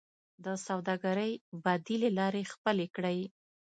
د سوداګرۍ بدیلې لارې خپلې کړئ